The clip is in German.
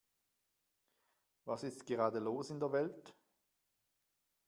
Was ist gerade los in der Welt?